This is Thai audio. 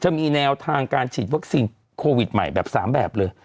มีแนวทางการฉีดวัคซีนโควิดใหม่แบบ๓แบบเลย